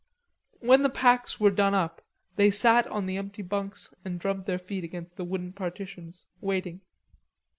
When the packs were done up, they sat on the empty hunks and drummed their feet against the wooden partitions waiting.